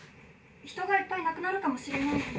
人がいっぱい亡くなるかもしれないのに。